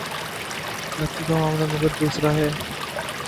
کراچی کا معاملہ مگر دوسرا ہے۔